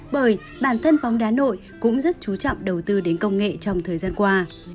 bởi bản thân bóng đá nội cũng rất chú trọng đầu tư đến công nghệ trong thời gian qua